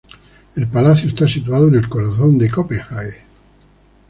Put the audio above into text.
El palacio está situado en el corazón de Copenhague.